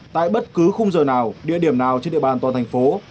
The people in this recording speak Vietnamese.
tại bất cứ khung giờ nào địa điểm nào trên địa bàn toàn thành phố